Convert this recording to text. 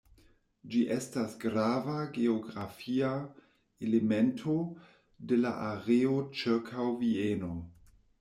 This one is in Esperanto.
Ĝi estas grava geografia elemento de la areo ĉirkaŭ Vieno.